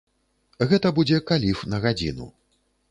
Гэта будзе каліф на гадзіну.